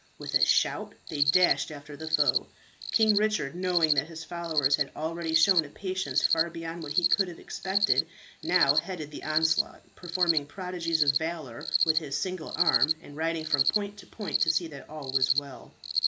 With a shout they dashed after the foe. King Richard, knowing that his followers had already shown a patience far beyond what he could have expected, now headed the onslaught, performing prodigies of valour with his single arm, and riding from point to point to see that all was well.